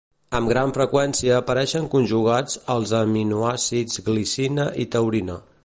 Amb gran freqüència apareixen conjugats als aminoàcids glicina i taurina.